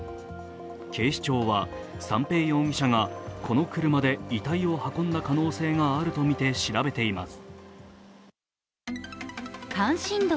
警視庁は三瓶容疑者がこの車で遺体を運んだ可能性があるとみて調べています。